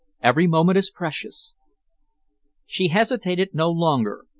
"Every moment is precious." She hesitated no longer.